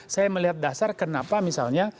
saya melihat dasar kenapa misalnya